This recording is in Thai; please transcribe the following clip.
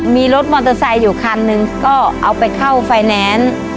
มีรถมอเตอร์ไซค์อยู่คันหนึ่งก็เอาไปเข้าไฟแนนซ์